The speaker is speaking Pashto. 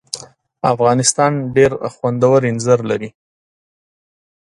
افغانستان ډېر خوندور اینځر لري.